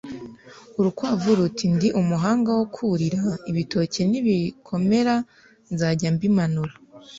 » Urukwavu ruti « ndi umuhanga wo kurira; ibitoke nibikomera nzajya mbimanura